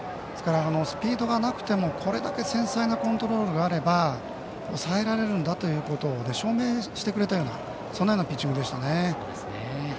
スピードがなくてもこれだけ繊細なコントロールがあれば抑えられるんだということを証明してくれたようなピッチングでしたね。